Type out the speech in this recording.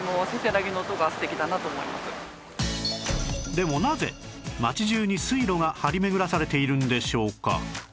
でもなぜ町中に水路が張り巡らされているんでしょうか？